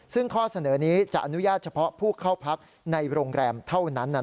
ซึ่งข้อเสนอนี้จะอนุญาตเฉพาะผู้เข้าพักในโรงแรมเท่านั้น